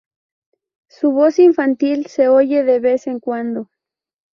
Su voz infantil se oye de vez en cuando.